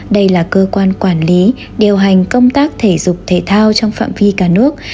đây là cơ quan quản lý điều hành công tác thể dục thể thao trong phạm vi cả nước